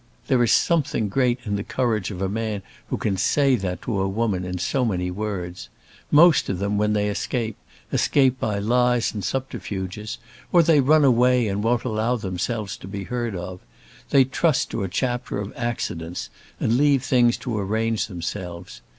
There is something great in the courage of a man who can say that to a woman in so many words. Most of them, when they escape, escape by lies and subterfuges. Or they run away and won't allow themselves to be heard of. They trust to a chapter of accidents, and leave things to arrange themselves.